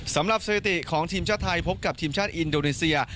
สถิติของทีมชาติไทยพบกับทีมชาติอินโดนีเซีย